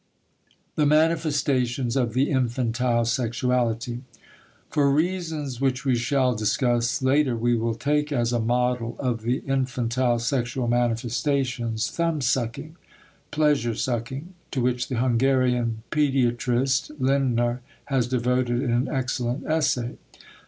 THE MANIFESTATIONS OF THE INFANTILE SEXUALITY For reasons which we shall discuss later we will take as a model of the infantile sexual manifestations thumbsucking (pleasure sucking), to which the Hungarian pediatrist, Lindner, has devoted an excellent essay.